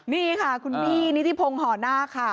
นี่ค่ะคุณพี่นี่ตีพงห่อหน้าค่ะ